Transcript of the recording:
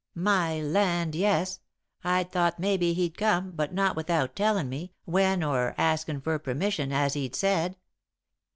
"My land, yes! I'd thought maybe he'd come, but not without tellin' me when, or askin' for permission, as he'd said.